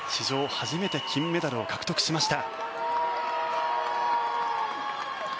初めて金メダルを獲得しました。